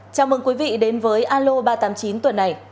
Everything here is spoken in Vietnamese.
chào mừng quý vị đến với alo ba trăm tám mươi chín tuần này